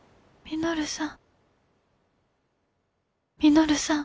稔さん。